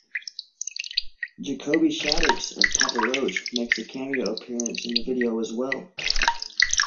Jacoby Shaddix of Papa Roach makes a cameo appearance in the video as well.